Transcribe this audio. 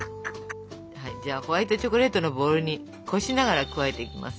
じゃあホワイトチョコレートのボウルにこしながら加えていきます。